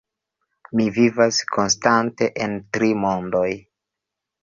Mi vivas konstante en tri mondoj.